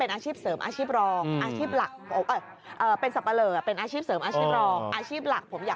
นี่เสียปุ๊บเราก็ต้องวิ่งมาทำ